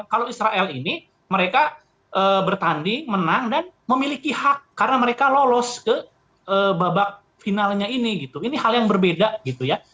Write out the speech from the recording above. kalau israel ini mereka bertanding menang dan memiliki hak karena mereka lolos ke babak finalnya ini gitu ini hal yang berbeda gitu ya